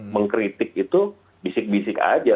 mengkritik itu bisik bisik aja